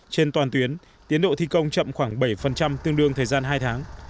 trên toàn tuyến tiến độ thi công chậm khoảng bảy tương đương thời gian hai tháng